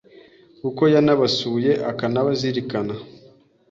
kuko yanabasuye akanabazirikana